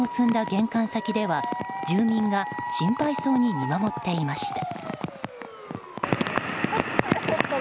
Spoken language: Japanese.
玄関先では住民が心配そうに見守っていました。